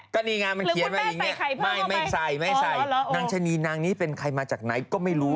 ก็นี่งั้นมันเขียนมาอีกไม่ใส่นางชะนีนางนี้เป็นใครมาจากไหนก็ไม่รู้